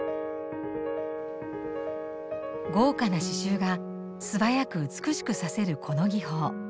豪華な刺しゅうが素早く美しく刺せるこの技法。